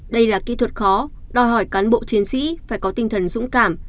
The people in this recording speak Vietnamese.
đây là kỹ thuật khó đòi hỏi cán bộ chiến sĩ phải có tinh thần dũng cảm